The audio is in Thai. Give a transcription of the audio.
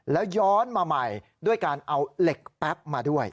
แล้วย้อนมาใหม่ด้วยการเอาเหล็กแป๊บมาด้วย